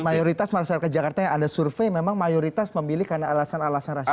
dan mayoritas masyarakat jakarta yang ada survei memang mayoritas memilih karena alasan alasan rasional